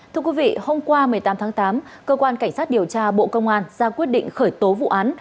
thưa quý vị hôm qua một mươi tám tháng tám cơ quan cảnh sát điều tra bộ công an ra quyết định khởi tố vụ án